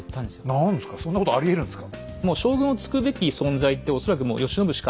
何ですかそんなことありえるんですか？